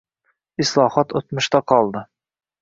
Islohot o'tmishda qoldi